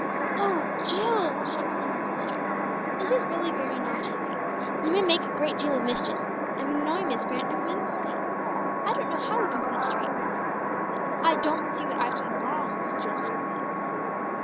"Oh, Jill!" she exclaimed in real distress. "This is really very naughty of you. You may make a great deal of mischief, and annoy Miss Grant extremely. I don't know how we can put it straight." "I don't see what I've done wrong," said Jill stubbornly.